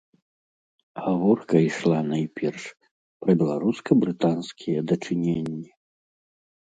Гаворка ішла найперш пра беларуска-брытанскія дачыненні.